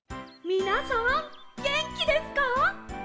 みなさんげんきですか？